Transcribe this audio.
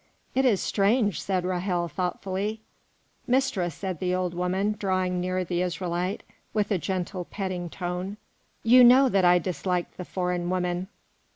"It is strange," said Ra'hel, thoughtfully. "Mistress," said the old woman, drawing near the Israelite, with a gentle, petting tone, "you know that I disliked the foreign woman."